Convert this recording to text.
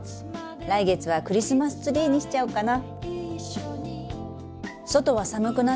来月はクリスマスツリーにしちゃおっかな」。